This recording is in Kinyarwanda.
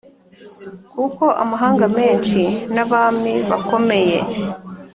Kuko amahanga menshi n abami bakomeye